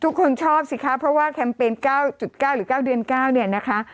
ทุกคนชอบสิคะเพราะว่าแคมเปญ๙๙หรือ๙เดือน๙เนี่ยนะคะ